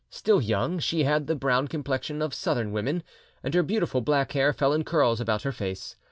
Still young, she had the brown complexion of Southern women, and her beautiful black hair fell in curls about her face.